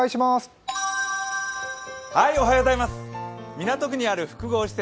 港区にある複合施設